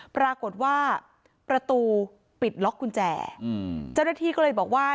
ปรากฏว่าประตูปิดล็อกกุญแจอืมเจ้าหน้าที่ก็เลยบอกว่า